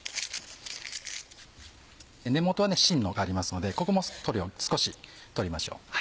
根元にしんがありますのでここも少し取りましょう。